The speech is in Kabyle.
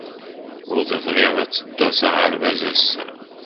Ur tebɣi ad teddu s aɣerbaz ass-a.